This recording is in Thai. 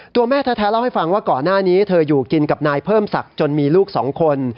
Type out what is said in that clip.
แม่แท้เล่าให้ฟังว่าก่อนหน้านี้เธออยู่กินกับนายเพิ่มศักดิ์จนมีลูกสองคน